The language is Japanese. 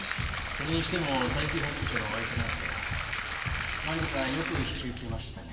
それにしても佐伯本部長のお相手なんてマリコさんよく引き受けましたね。